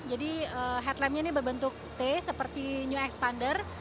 jadi headlampnya ini berbentuk t seperti new expander